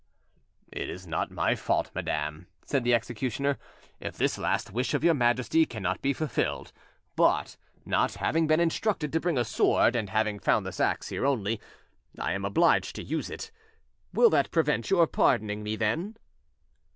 "It is not my fault, madam," said the executioner, "if this last wish of your Majesty cannot be fulfilled; but, not having been instructed to bring a sword, and having found this axe here only, I am obliged to use it. Will that prevent your pardoning me, then?"